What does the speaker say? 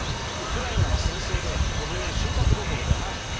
ウクライナは戦争で小麦の収穫どころじゃない。